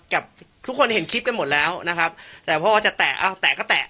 กับทุกคนเห็นคลิปกันหมดแล้วนะครับแต่พอจะแตะอ้าวแตะก็แตะ